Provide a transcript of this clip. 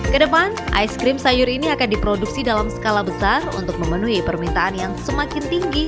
kedepan aiskrim sayur ini akan diproduksi dalam skala besar untuk memenuhi permintaan yang semakin tinggi